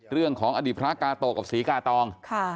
เรื่องของอดีตพระกาโตกับศรีกาตอง